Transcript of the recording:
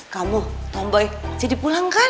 kamu tom boy jadi pulang kan